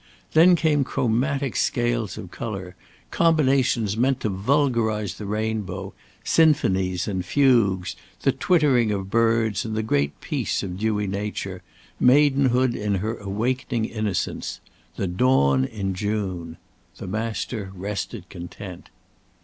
Then came chromatic scales of colour; combinations meant to vulgarise the rainbow; sinfonies and fugues; the twittering of birds and the great peace of dewy nature; maidenhood in her awakening innocence; "The Dawn in June." The Master rested content.